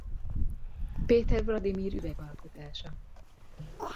Péter Vladimir üveg alkotása.